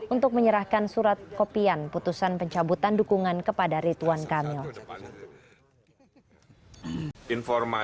untuk menyerahkan surat kopian putusan pencabutan dukungan kepada rituan kamil